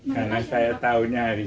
karena saya tahunya hari sabtu